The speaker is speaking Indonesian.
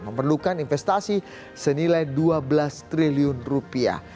memerlukan investasi senilai dua belas triliun rupiah